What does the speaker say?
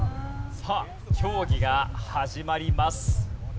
さあ競技が始まります。